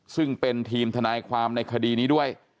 ซึ่งเป็นทีมทนายความในคดีนี้ด้วย